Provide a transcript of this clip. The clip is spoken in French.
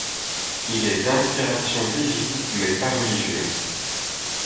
Il est d'inspiration divine mais pas religieux.